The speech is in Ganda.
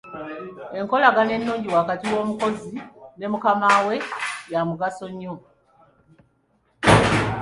Enkolagana ennungi wakati w'omukozi ne mukamaawe ya mugaso nnyo.